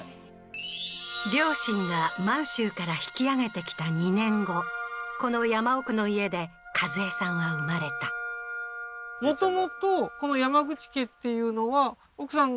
両親が満州から引き揚げてきた２年後この山奥の家で一江さんは生まれたああー転作？